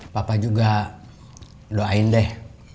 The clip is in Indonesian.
papa juga doain deh